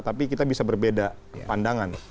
tapi kita bisa berbeda pandangan